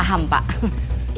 mas dewa dan mbak lady